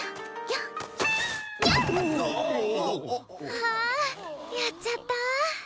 あんやっちゃった。